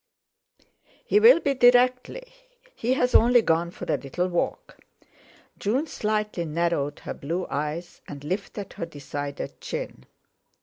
"He will be directly. He's only gone for a little walk." June slightly narrowed her blue eyes, and lifted her decided chin.